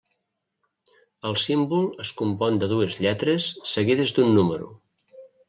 El símbol es compon de dues lletres seguides d'un número.